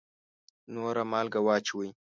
نوره مالګه واچوئ